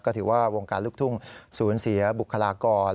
ก็ถือว่าวงการลูกทุ่งสูญเสียบุคลากร